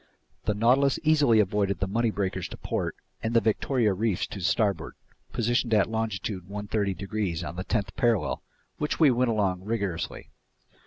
The Nautilus easily avoided the Money breakers to port and the Victoria reefs to starboard, positioned at longitude 130 degrees on the tenth parallel, which we went along rigorously.